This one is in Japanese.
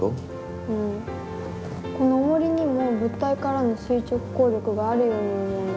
このおもりにも物体からの垂直抗力があるように思うんだけど。